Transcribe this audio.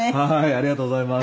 ありがとうございます。